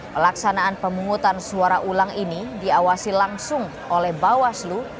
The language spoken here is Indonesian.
pelaksanaan pemungutan suara ulang ini diawasi langsung oleh bawaslu